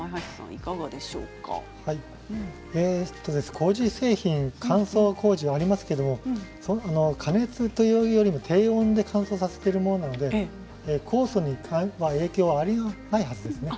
こうじ製品乾燥こうじがありますけれど加熱というよりも低温で乾燥させているもので酵素には影響はないはずですね。